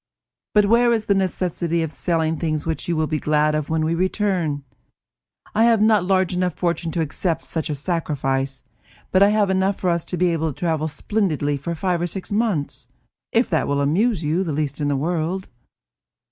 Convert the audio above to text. "But where is the necessity of selling things which you will be glad of when we return? I have not a large enough fortune to accept such a sacrifice; but I have enough for us to be able to travel splendidly for five or six months, if that will amuse you the least in the world."